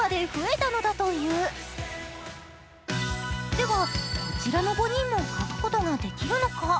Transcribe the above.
では、こちらの５人も描くことができるのか。